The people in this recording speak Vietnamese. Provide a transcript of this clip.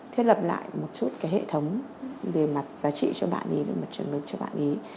thiết lập lại một chút cái hệ thống về mặt giá trị cho bạn ấy về mặt trưởng lực cho bạn ấy